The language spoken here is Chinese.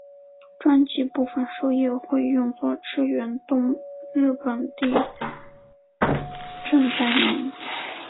专辑部分收益会用作支援东日本地震灾民。